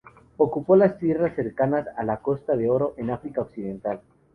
Ocupó las tierras cercanas a la Costa de Oro, en África Occidental.